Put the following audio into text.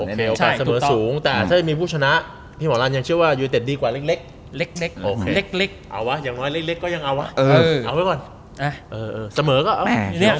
แต่ถ้ามีผู้ชนะ